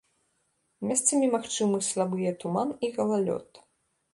Месцамі магчымы слабыя туман і галалёд.